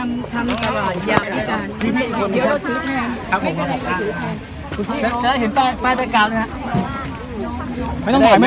ขอช่วยคุณพี่อีกท่านหนึ่งครับ